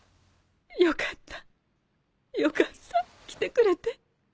よかったよかった来てくれて。